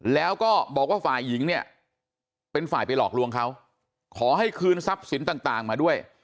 แล้วก็บอกว่าฝ่ายหญิงเนี่ยเป็นฝ่ายไปหลอกลวงเขาขอให้คืนทรัพย์สินต่างมาด้วย